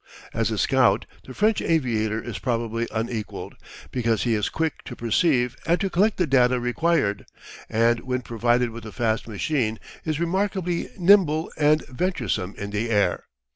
As a scout the French aviator is probably unequalled, because he is quick to perceive and to collect the data required, and when provided with a fast machine is remarkably nimble and venturesome in the air.